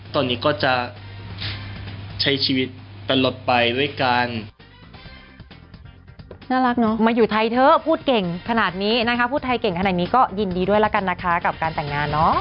ตอนนี้ก็จะใช้ชีวิตตลบไปด้วยกัน